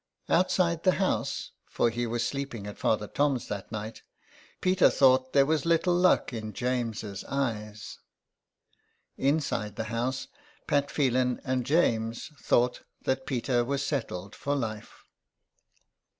Outside the house — for he was sleeping at Father Tom's that night — Peter thought there was little luck in James's eyes ; inside the house Pat Phelan and James thought that Peter was settled for life.